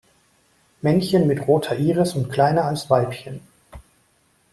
Männchen mit roter Iris und kleiner als Weibchen.